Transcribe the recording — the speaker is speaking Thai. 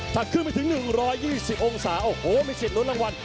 ขึ้นไปถึง๑๒๐องศาโอ้โหมีสิทธิล้วนรางวัล